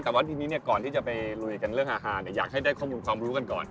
แต่ว่าทีนี้ก่อนที่จะไปลุยกันเรื่องอาคารอยากให้ได้ข้อมูลความรู้กันก่อน